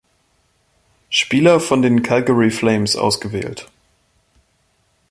Spieler von den Calgary Flames ausgewählt.